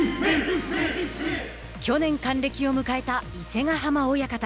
去年、還暦を迎えた伊勢ヶ濱親方。